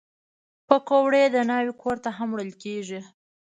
پکورې د ناوې کور ته هم وړل کېږي